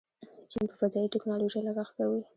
چین په فضایي ټیکنالوژۍ لګښت کوي.